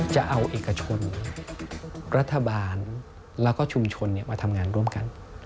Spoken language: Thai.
จะเอาเอกชนรัฐบาลแล้วก็ชุมชนมาทำงานร่วมกัน